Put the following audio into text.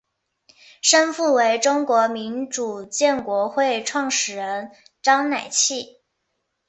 生父为中国民主建国会创始人章乃器。